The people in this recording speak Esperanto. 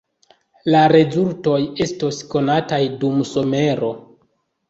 La rezultoj estos konataj dum somero.